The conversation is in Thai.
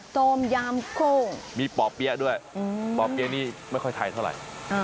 โจมยามโค้งมีป่อเปี๊ยะด้วยป่อเปี๊ยะนี่ไม่ค่อยไทยเท่าไหร่